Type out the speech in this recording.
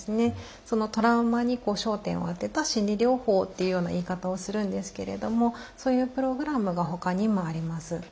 トラウマに焦点を当てた心理療法っていうような言い方をするんですけれどもそういうプログラムがほかにもあります。